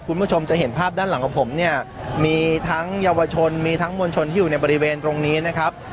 คุณผู้ชมจะเห็นภาพด้านหลังของผมเนี่ยมีทั้งเยาวชนมีทั้งมวลชนที่อยู่ในบริเวณตรงนี้นะครับ